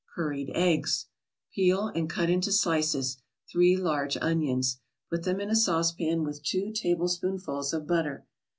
CURRIED EGGS Peel, and cut into slices, three large onions. Put them in a saucepan with two tablespoonfuls of butter.